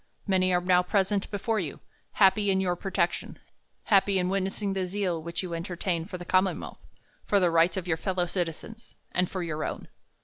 Many are now present before you, happy m your protection, happy in witnessing the zeal which you en tertain for the commonwealth, for the rights of your fellow citizens, and for your own.